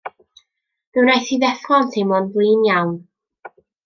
Fe wnaeth hi ddeffro yn teimlo'n flin iawn.